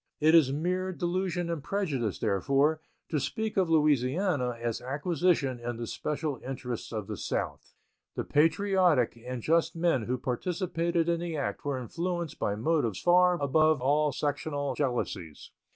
It is mere delusion and prejudice, therefore, to speak of Louisiana as acquisition in the special interest of the South. The patriotic and just men who participated in the act were influenced by motives far above all sectional jealousies.